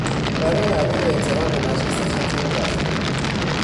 برای ادای احترام به مجلس ختم او رفتیم.